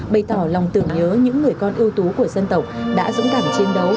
bày tỏ lòng tưởng nhớ những người con ưu tú của dân tộc đã dũng cảm chiến đấu